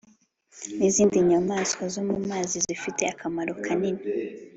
n'izindi nyamaswa zo mu mazi zifite akamaro kanini